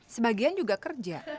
sebagian juga kerja